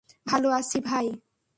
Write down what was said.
ভালো আছি, ভাই।